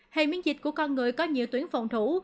hệ miễn dịch của con người có nhiều tuyến phòng thủ